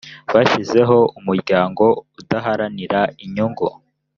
bashyizeho umuryango udaharanira inyungu